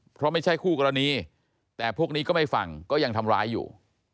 เพราะไม่ใช่คู่กรณีแต่พวกนี้ก็ไม่ฟังก็ยังทำร้ายอยู่